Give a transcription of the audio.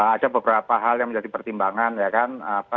ada beberapa hal yang menjadi pertimbangan ya kan